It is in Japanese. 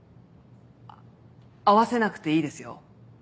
合わせなくていいですよ。